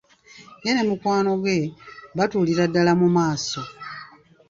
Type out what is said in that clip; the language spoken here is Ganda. Ye ne mukwano gwe batuulira ddala mu maaso.